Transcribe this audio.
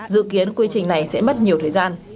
dự kiến quy trình này sẽ mất nhiều thời gian